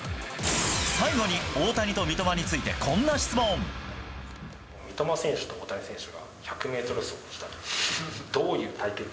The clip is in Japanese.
最後に大谷と三笘について、三笘選手と大谷選手が１００メートル走をしたとき、どういう対決？